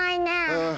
うん。